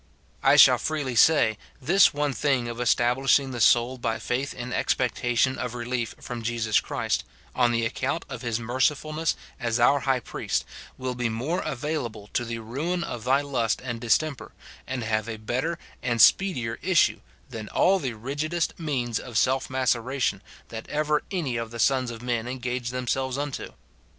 I shall freely say, this one thing of establishing the soul by faith in expectation of relief from Jesus Christ,* on the account of his mer cifulness as our high priest, will be more available to the ruin of thy lust and distemper, and have a better and speedier issue, than all the rigidest means of self mace ration, that ever any of the sons of men engaged them selves unto.